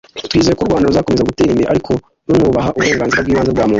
Twizeye ko u Rwanda ruzakomeza gutera imbere ariko runubaha uburenganzira bw’ibanze bwa muntu